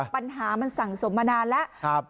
ปัญหามันสั่งสมมานานแล้ว